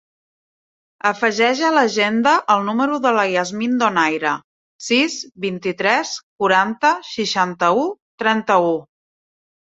Afegeix a l'agenda el número de la Yasmin Donaire: sis, vint-i-tres, quaranta, seixanta-u, trenta-u.